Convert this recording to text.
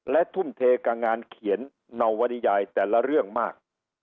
และทุ่มเทกับงานเขียนนวริยายแต่ละเรื่องมาก